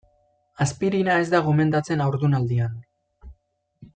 Aspirina ez da gomendatzen haurdunaldian.